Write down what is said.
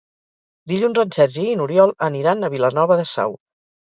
Dilluns en Sergi i n'Oriol aniran a Vilanova de Sau.